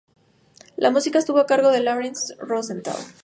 La música estuvo a cargo de Laurence Rosenthal.